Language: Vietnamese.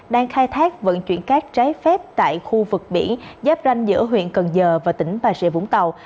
đang khai thác vận chuyển cát trái phép tại khu vực biển giáp ranh giữa huyện cần giờ và tỉnh bà rịa vũng tàu